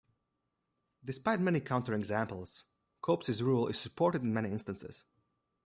Despite many counter-examples, Cope's rule is supported in many instances.